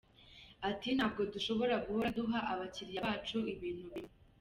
Ati “Ntabwo dushobora guhora duha abakiliya bacu ibintu bimwe.